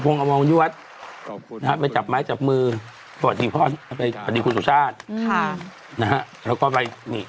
นี่คือสช่เอค่ะ